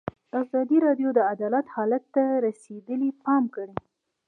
ازادي راډیو د عدالت حالت ته رسېدلي پام کړی.